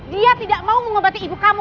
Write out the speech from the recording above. dia tidak mau mengobati ibu kamu